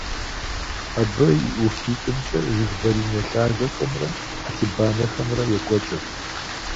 Абы и ӀуфитӀымкӀэ жыг баринэ лъагэхэмрэ хьэцыбанэхэмрэ екӀуэкӀырт.